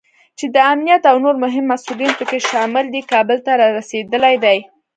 چې د امنیت او نور مهم مسوولین پکې شامل دي، کابل ته رارسېدلی دی